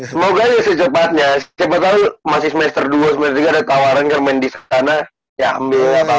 semoga ya secepatnya siapa tau masih semester dua semester tiga ada tawaran kan main disana ya ambil lah papa